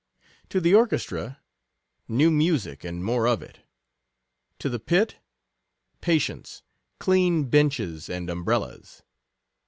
To the orchestra — new music, and more of it. To the pit — patience, clean benches, and umbrellas.